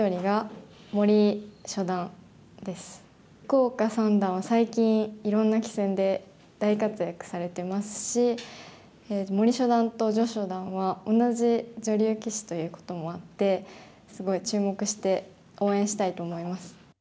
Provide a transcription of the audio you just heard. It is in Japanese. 福岡三段は最近いろんな棋戦で大活躍されてますし森初段と徐初段は同じ女流棋士ということもあってすごい注目して応援したいと思います。